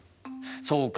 そうか。